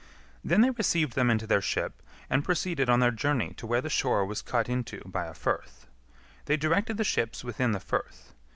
Then they received them into their ship, and proceeded on their journey to where the shore was cut into by a firth. They directed the ships within the firth.